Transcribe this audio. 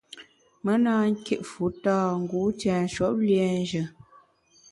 Me na kit fu tâ te ngu tienshwuop liénjù.